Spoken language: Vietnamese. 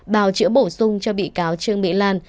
bào chữa bổ sung cho bị cáo trương mỹ lan